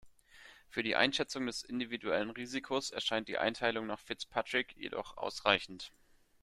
Für die Einschätzung des individuellen Risikos erscheint die Einteilung nach Fitzpatrick jedoch ausreichend.